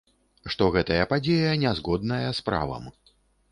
Што гэтая падзея не згодная з правам.